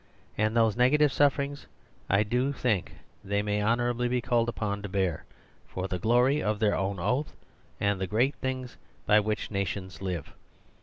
And those negative sufferings I do think they may honourably be called upon to bear, for the glory of their own oath and the great things by which the nations live.